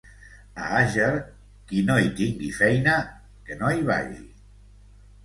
A Àger, qui no hi tingui feina, que no hi vagi.